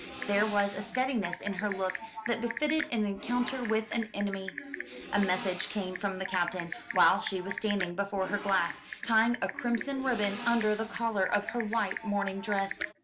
There was a steadiness in her look that befitted an encounter with an enemy. A message came from the Captain, while she was standing before her glass, tying a crimson ribbon under the collar of her white morning dress.